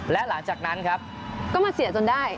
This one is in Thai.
และหลังจากนั้นครับก็มาเสียจนได้